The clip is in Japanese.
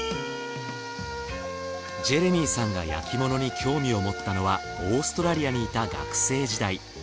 ジェレミーさんが焼き物に興味を持ったのはオーストラリアにいた学生時代。